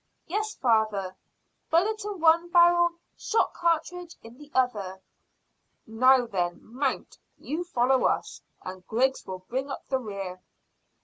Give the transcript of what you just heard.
"Yes, father bullet in one barrel, shot cartridge in the other." "Now then, mount. You follow us, and Griggs will bring up the rear."